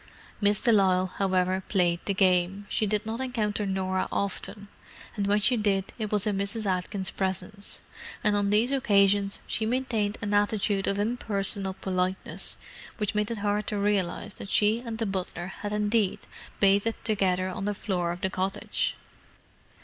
Miss de Lisle, however, played the game. She did not encounter Norah often, and when she did it was in Mrs. Atkins' presence: and on these occasions she maintained an attitude of impersonal politeness which made it hard to realize that she and the butler had indeed bathed together on the floor of the cottage.